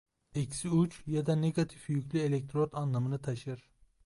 Eksi uç ya da Negatif yüklü elektrot anlamını taşır.